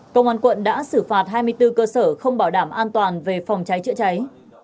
công an quận đã xử phạt hai mươi bốn cơ sở không bảo đảm an toàn về phòng cháy chữa cháy